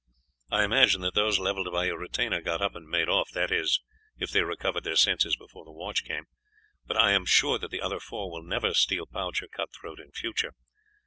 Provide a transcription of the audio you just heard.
I imagine that those levelled by your retainer got up and made off, that is, if they recovered their senses before the watch came, but I am sure that the other four will never steal pouch or cut throat in future.